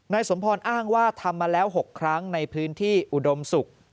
สมพรอ้างว่าทำมาแล้ว๖ครั้งในพื้นที่อุดมศุกร์